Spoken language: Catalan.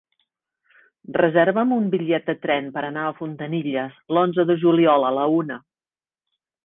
Reserva'm un bitllet de tren per anar a Fontanilles l'onze de juliol a la una.